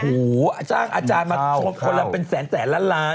โอ้โหจ้างอาจารย์มาชวนคนละเป็นแสนแสนล้านล้าน